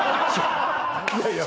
いやいや。